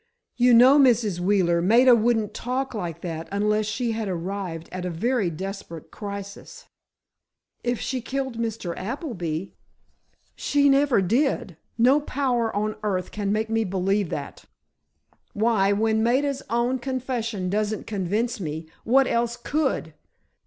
You know, Mrs. Wheeler, Maida wouldn't talk like that unless she had arrived at a very desperate crisis——" "If she killed Mr. Appleby——" "She never did! No power on earth can make me believe that! Why, when Maida's own confession doesn't convince me, what else could?